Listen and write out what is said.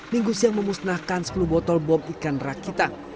minggu siang memusnahkan sepuluh botol bom ikan rakitan